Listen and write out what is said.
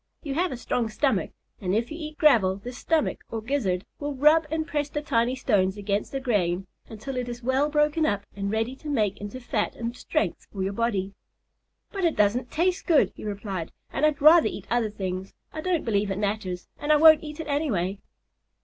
You have a strong stomach, and if you eat gravel this stomach or gizzard will rub and press the tiny stones against the grain until it is well broken up and ready to make into fat and strength for your body." "But it doesn't taste good," he replied, "and I'd rather eat other things. I don't believe it matters, and I won't eat it anyway."